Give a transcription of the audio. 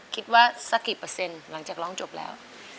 สักกี่เปอร์เซ็นต์หลังจากร้องจบแล้ว